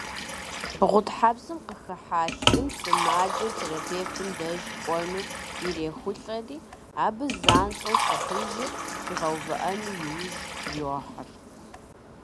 Гъутхьэпсым къыхыхьа лъым сымаджэр терапевтым деж кӏуэну ирехулӏэри, абы занщӏэу лъыкъижыр къигъэувыӏэну иужь йохьэр.